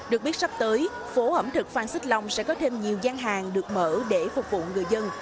được biết sắp tới phố ẩm thực phan xích long sẽ có thêm nhiều gian hàng được mở để phục vụ người dân